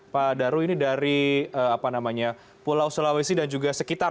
pak daru ini dari pulau sulawesi dan juga sekitar